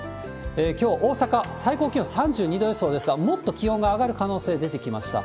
きょう、大阪、最高気温３２度予想ですが、もっと気温が上がる可能性出てきました。